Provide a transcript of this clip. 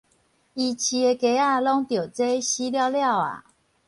伊飼的雞仔攏著災死了了矣